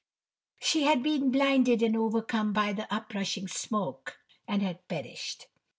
She had been blinded and overcome by the uprushing smoke, and had perished.